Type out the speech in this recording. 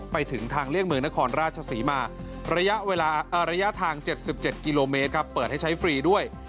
ไปถึงทางเลี่ยงเมืองนครราชศรีมาระยะทาง๗๗กิโลเมตรครับเปิดให้ใช้ฟรีด้วย